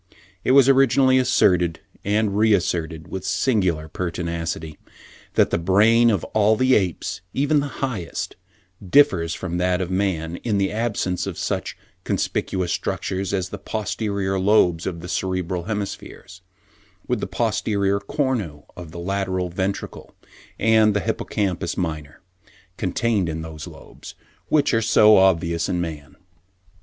It was originally asserted and re asserted, with singular pertinacity, that the brain of all the apes, even the highest, differs from that of man, in the absence of such conspicuous structures as the posterior lobes of the cerebral hemispheres, with the posterior cornu of the lateral ventricle and the hippocampus minor, contained in those lobes, which are so obvious in man.